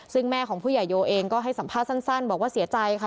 ซึ่งแม่ของผู้ใหญ่โยเองก็ให้สัมภาษณ์สั้นบอกว่าเสียใจค่ะ